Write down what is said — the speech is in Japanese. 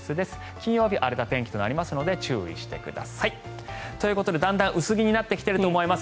金曜日荒れた天気となりますので注意してください。ということでだんだん薄着になってきていると思います。